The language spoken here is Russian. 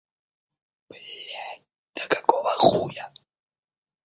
Блять, да какого хуя!